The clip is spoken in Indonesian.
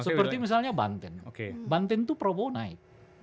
seperti misalnya banten banten itu prabowo naik